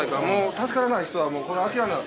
助からない人は諦めな。